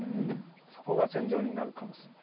そこが戦場になるかもしれない。